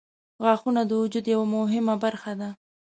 • غاښونه د وجود یوه مهمه برخه ده.